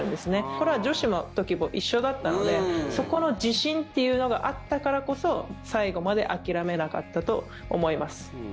これは女子の時も一緒だったのでそこの自信というのがあったからこそ最後まで諦めなかったと思います。